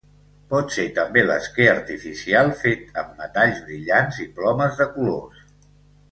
Pot ser també l'esquer artificial fet amb metalls brillants i plomes de colors.